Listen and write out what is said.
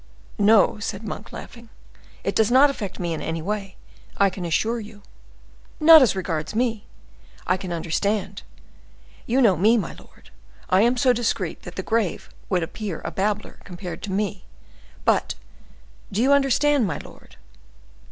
"No," said Monk, laughing: "it does not affect me in any way, I can assure you." "Not as regards me, I can understand; you know me, my lord, I am so discreet that the grave would appear a babbler compared to me; but—do you understand, my lord?"